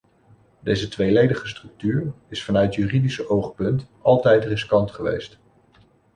Deze tweeledige structuur is vanuit juridisch oogpunt altijd riskant geweest.